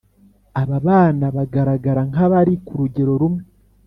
Aba bana bagaragara nk’abari ku rugero rumwe